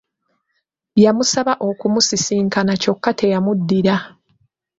Yamusaba okumusisinkana kyokka teyamuddira .